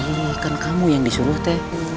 allah kan kamu yang disuruh teh